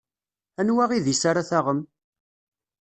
Anwa idis ara taɣem?